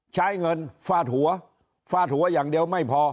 ใช้เงินฟาดหัวฟาดหัวอย่างเดียวไม่พอ